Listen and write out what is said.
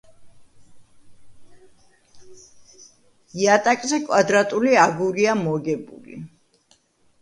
იატაკზე კვადრატული აგურია მოგებული.